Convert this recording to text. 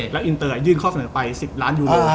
แล้วอินเตอร์ยื่นข้อเสนอไป๑๐ล้านยูโร